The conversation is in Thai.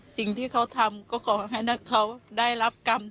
สิ่งที่เขาทำก็ขอให้เขาได้รับกรรม